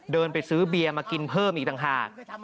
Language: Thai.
เดินไปซื้อเบียร์มากินเพิ่มอีกต่างหาก